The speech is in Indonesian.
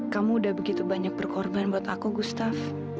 kamu udah begitu banyak berkorban buat aku gustaf